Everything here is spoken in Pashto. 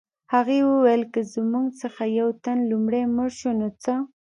هغې وویل که زموږ څخه یو تن لومړی مړ شو نو څه